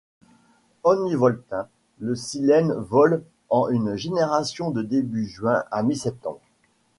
Univoltin, le Silène vole en une génération de début juin à mi-septembre.